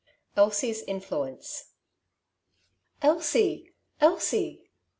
ELSIE^S INFLUENCE. "^'' Elsie ! Elsie !